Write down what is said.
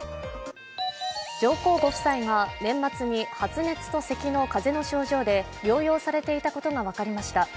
上皇ご夫妻が年末に発熱とせきの風邪の症状で療養されていたことが分かりました。